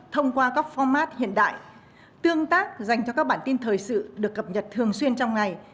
thông qua các format hiện đại tương tác dành cho các bản tin thời sự được cập nhật thường xuyên trong ngày